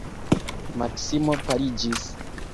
Maksimo paliĝis.